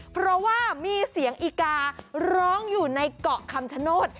เพราะว่ามีเสียงอีการ้องอยู่ในเกาะคำชโนธ